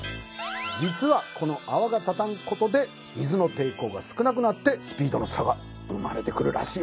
実はこの泡が立たん事で水の抵抗が少なくなってスピードの差が生まれてくるらしいばい！